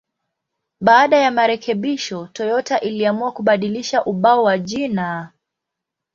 Baada ya marekebisho, Toyota iliamua kubadilisha ubao wa jina.